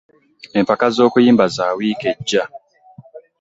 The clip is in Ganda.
Empaka z'okuyimba za wiiki ejja.